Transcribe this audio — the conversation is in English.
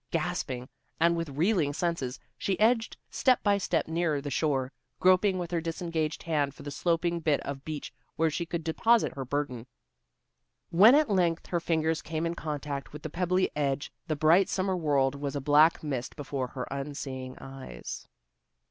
Gasping, and with reeling senses, she edged step by step nearer the shore, groping with her disengaged hand for the sloping bit of beach where she could deposit her burden. When at length her fingers came in contact with the pebbly edge the bright summer world was a black mist before her unseeing eyes.